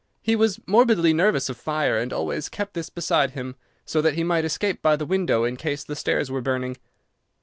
"He was morbidly nervous of fire, and always kept this beside him, so that he might escape by the window in case the stairs were burning."